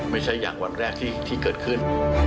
ไม่ใช่อย่างวันแรกที่เกิดขึ้น